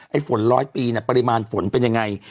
ฝนร้อยปีปริมาณฝนเป็นยังไง